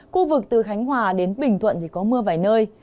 khu vực từ khánh hòa đến bình thuận thì có mưa vài nơi